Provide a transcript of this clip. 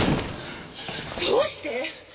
どうして！？